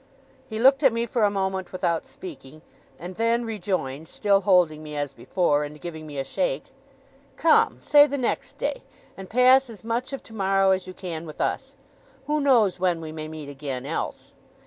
He looked at me for a moment without speaking, and then rejoined, still holding me as before, and giving me a shake: 'Come! Say the next day, and pass as much of tomorrow as you can with us! Who knows when we may meet again, else?